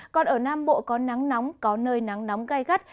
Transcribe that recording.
có nắng nóng có nơi nắng nóng gai gắt